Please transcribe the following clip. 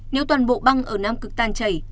nếu toàn bộ băng ở nam cực tan chảy